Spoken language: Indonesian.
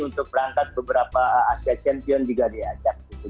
untuk berangkat beberapa asia champion juga diajak gitu